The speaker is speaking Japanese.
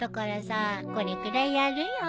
これくらいやるよ。